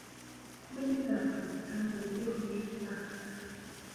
منی د افغانستان د ملي هویت نښه ده.